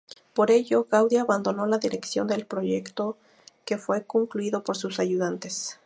Por ello, Gaudí abandonó la dirección del proyecto, que fue concluido por sus ayudantes.